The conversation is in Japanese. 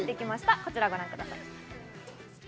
こちらをご覧ください。